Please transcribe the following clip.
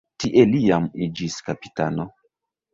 Tie li jam iĝis kapitano.